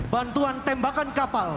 bantuan tembakan kapal